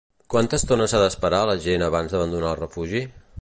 Quanta estona s'ha d'esperar la gent abans d'abandonar el refugi?